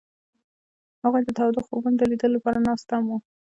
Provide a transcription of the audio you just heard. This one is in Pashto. هغوی د تاوده خوبونو د لیدلو لپاره ناست هم وو.